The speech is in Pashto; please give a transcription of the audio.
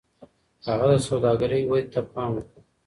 هغه د سوداګرۍ ودې ته پام وکړ.